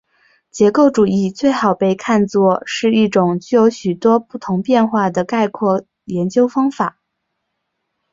结构主义最好被看作是一种具有许多不同变化的概括研究方法。